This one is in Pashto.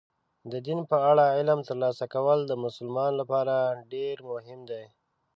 د دین په اړه علم ترلاسه کول د مسلمان لپاره ډېر مهم دي.